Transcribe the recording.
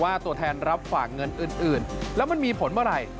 ตัวแทนรับฝากเงินอื่นแล้วมันมีผลเมื่อไหร่